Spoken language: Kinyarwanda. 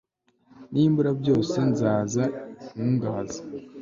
nimbura byose, nzaza unkungahaze